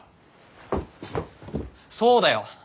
そうだよ！